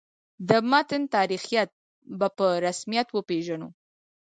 د متن تاریخیت به په رسمیت وپېژنو.